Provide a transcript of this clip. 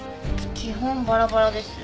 基本バラバラです。